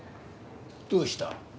どうした？